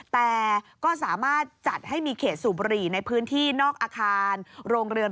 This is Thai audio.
แต่ก็สามารถจัดให้มีเขตสูบบุหรี่ในพื้นที่นอกอาคารโรงเรือน